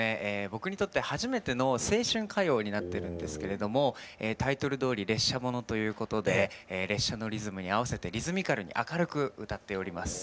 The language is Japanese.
僕にとって初めての青春歌謡になってるんですけれどもタイトルどおり列車ものということで列車のリズムに合わせてリズミカルに明るく歌っております。